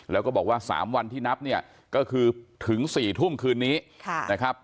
แล้วก็บอกว่า๓วันที่นับเนี่ยก็คือถึง๔ทุ่มคืนนี้นะครับ